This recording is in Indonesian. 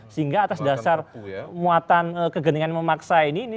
sehingga atas dasar muatan kegentingan memaksa ini